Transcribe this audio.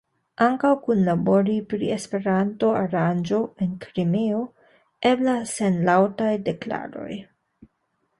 Ankaŭ kunlabori pri Esperanto-aranĝo en Krimeo eblas sen laŭtaj deklaroj.